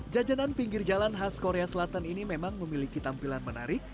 jajanan pinggir jalan khas korea selatan ini memang memiliki tampilan menarik